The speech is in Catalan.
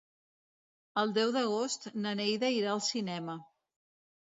El deu d'agost na Neida irà al cinema.